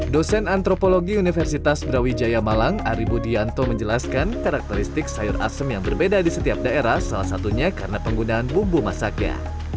dosen antropologi universitas brawijaya malang ari budianto menjelaskan karakteristik sayur asem yang berbeda di setiap daerah salah satunya karena penggunaan bumbu masaknya